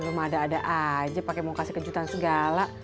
lu mada ada aja pake mau kasih kejutan segala